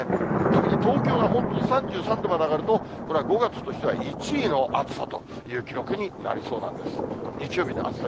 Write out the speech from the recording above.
特に東京が本当に３３度まで上がると、これは５月としては１位の暑さという記録になりそうなんです。